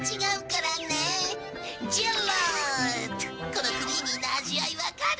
このクリーミーな味わいわかる？